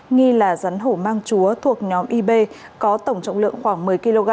nghi là rắn hổ mang chúa thuộc nhóm ib có tổng trọng lượng khoảng một mươi kg